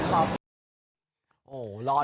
โหรอดูเลยอ่ะ